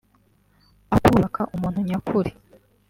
aho kubaka umuntu nyakuri